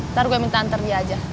ntar gue minta antar dia aja